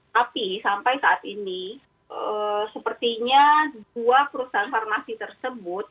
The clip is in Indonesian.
tapi sampai saat ini sepertinya dua perusahaan farmasi tersebut